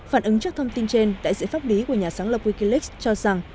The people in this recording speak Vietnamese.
phản ứng trước thông tin trên đại diện pháp lý của nhà sáng lập wikileaks cho rằng